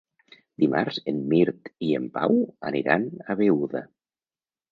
Dimarts en Mirt i en Pau aniran a Beuda.